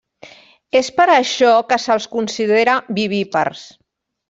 És per això que se'ls considera vivípars.